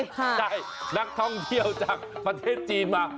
ได้นักท่องเที่ยวจากประเทศจีนมา